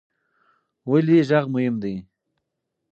ولې غږ مهم دی؟